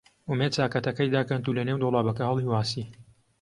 ئومێد چاکەتەکەی داکەند و لەنێو دۆڵابەکە هەڵی واسی.